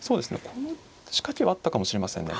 この仕掛けはあったかもしれませんね